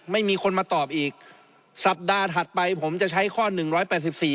ไม่มีคนมาตอบอีกสัปดาห์ถัดไปผมจะใช้ข้อหนึ่งร้อยแปดสิบสี่